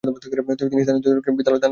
তিনি স্থানীয় বিদ্যালয়কে দান করে যান।